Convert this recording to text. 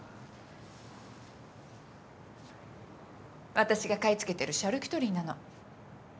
私が買い付けてるシャルキュトリーなの。